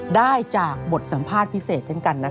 ได้จากบทสัมภาษณ์พิเศษเช่นกัน